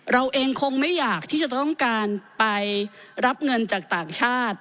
เราเองคงไม่อยากที่จะต้องการไปรับเงินจากต่างชาติ